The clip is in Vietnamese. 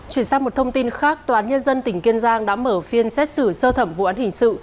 chuyển sang một thông tin khác tòa án nhân dân tỉnh kiên giang đã mở phiên xét xử sơ thẩm vụ án hình sự